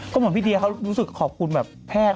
ก็เหมือนพี่เดียเขารู้สึกขอบคุณแบบแพทย์